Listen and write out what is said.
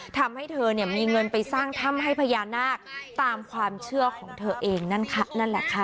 ทำให้เธอเนี่ยมีเงินไปสร้างถ้ำให้พญานาคตามความเชื่อของเธอเองนั่นค่ะนั่นแหละค่ะ